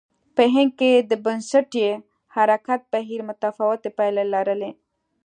په هند کې د بنسټي حرکت بهیر متفاوتې پایلې لرلې.